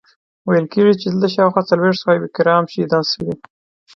ویل کیږي چې دلته شاوخوا څلویښت صحابه کرام شهیدان شوي.